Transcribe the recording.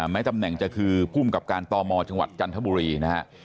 ตำแหน่งจะคือภูมิกับการตมจังหวัดจันทบุรีนะฮะ